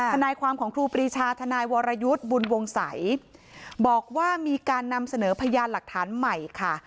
ทนายความของครูปรีชาทนายวรยุทธ์บุญวงศัยบอกว่ามีการนำเสนอพยานหลักฐานใหม่ค่ะ